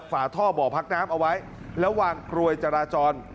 ฝาท่อบ่อพักน้ำเอาไว้แล้ววางกลวยจราจร